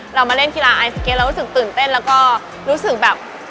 เรามาเล่นกีฬาไอสเก็ตเรารู้สึกตื่นเต้นแล้วก็รู้สึกแบบ